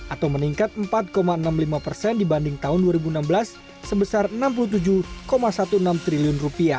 atau meningkat empat enam puluh lima persen dibanding tahun dua ribu enam belas sebesar rp enam puluh tujuh enam belas triliun